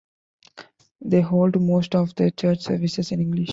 They hold most of their church services in English.